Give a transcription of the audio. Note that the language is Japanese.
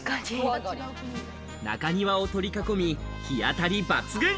中庭を取り囲み、日当たり抜群。